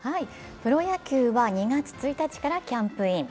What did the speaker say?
プロ野球は２月１日からキャンプイン。